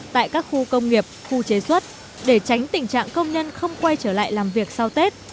tại các khu công nghiệp khu chế xuất để tránh tình trạng công nhân không quay trở lại làm việc sau tết